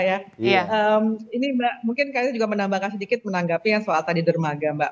ya iya ini mbak mungkin kayak juga menambahkan sedikit menanggapi yang soal tadi dermaga mbak